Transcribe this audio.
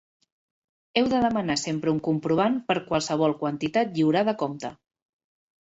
Heu de demanar sempre un comprovant per qualsevol quantitat lliurada a compte.